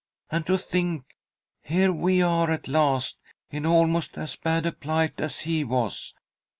And to think, here we are at last, in almost as bad a plight as he was.